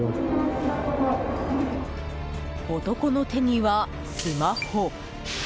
男の手には、スマホ。